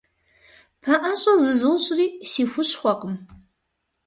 Пэӏэщӏэ зызощӏри – си хущхъуэкъым.